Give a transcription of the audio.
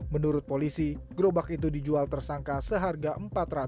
menurut polisi gerobak itu dijual tersangka seharga satu dolar